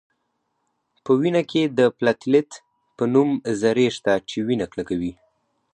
په وینه کې د پلاتیلیت په نوم ذرې شته چې وینه کلکوي